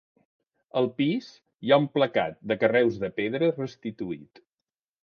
Al pis hi ha un placat de carreus de pedra restituït.